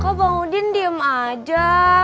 kok bang udin diem aja